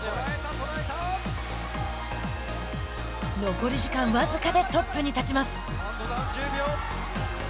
残り時間わずかでトップに立ちます。